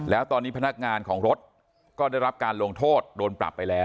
แล้วตอนนี้พนักงานของรถก็ได้รับการลงโทษโดนปรับไปแล้ว